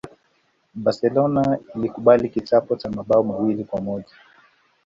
barcelona ilikubali kichapo cha mabao mawili kwa moja